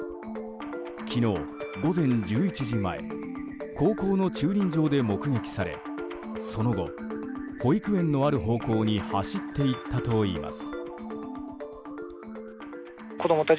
昨日、午前１１時前高校の駐輪場で目撃されその後、保育園のある方向に走っていったといいます。